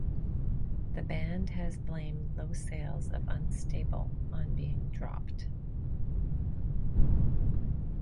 The band has blamed low sales of "Unstable" on being dropped.